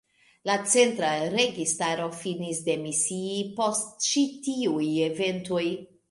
La centra registaro finis demisii post ĉi tiuj eventoj.